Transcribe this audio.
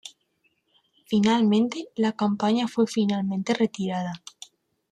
Finalmente, la campaña fue finalmente retirada.